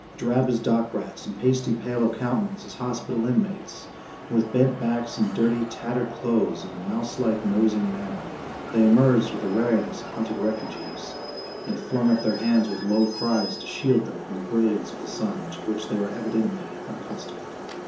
Drab as dock rats, and pasty pale of countenance as hospital inmates, and with bent backs and dirty, tattered clothes and a mouse like nosing manner, they emerged with the wariness of hunted refugees; and they flung up their hands with low cries to shield them from the brilliance of the sun, to which they were evidently unaccustomed.